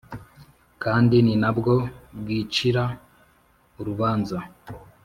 kandi ni na bwo bwicira urubanza;